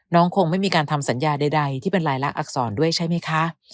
คงไม่มีการทำสัญญาใดที่เป็นรายละอักษรด้วยใช่ไหมคะ